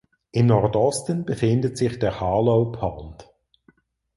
Im Nordosten befindet sich der "Harlow Pond".